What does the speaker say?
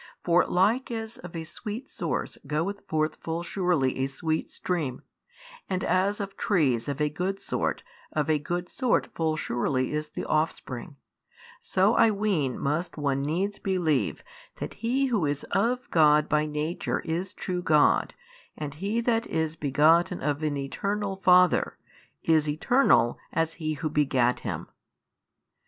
for like as of a sweet source goeth forth full surely a sweet stream, and as of trees of a good sort of a good sort full surely is the offspring, so I ween must one needs believe that He who is of God by Nature is True God and He That is begotten of an Eternal Father, is Eternal as He who begat Him.